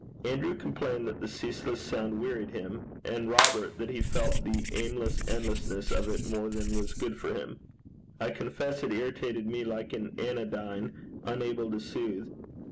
Andrew complained that the ceaseless sound wearied him, and Robert that he felt the aimless endlessness of it more than was good for him. I confess it irritated me like an anodyne unable to soothe.